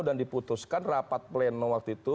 dan diputuskan rapat pleno waktu itu